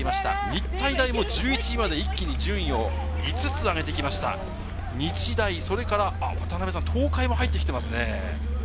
日体大も１１位まで一気に順位を５つ上げてきました日大、それから東海も入ってきていますね。